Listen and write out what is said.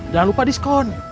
jangan lupa diskon